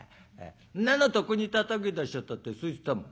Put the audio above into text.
んなのとっくにたたき出しちゃったってそう言ってたもん」。